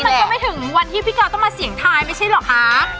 มันก็ไม่ถึงวันที่พี่กาวต้องมาเสียงทายไม่ใช่เหรอคะ